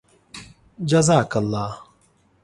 جزاك اللهُ